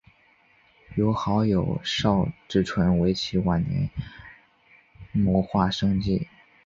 由好友邵志纯为其晚年摹划生计。